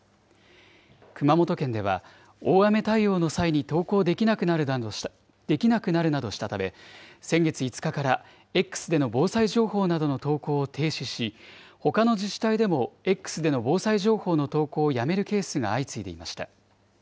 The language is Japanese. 熊本県では、大雨対応の際に投稿できなくなるなどしたため、先月５日からＸでの防災情報などの投稿を停止し、ほかの自治体でもＸでの防災情報の投稿をやめるケースが相次いでいました。